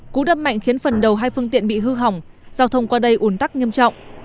cú đâm mạnh khiến phần đầu hai phương tiện bị hư hỏng giao thông qua đây ủn tắc nghiêm trọng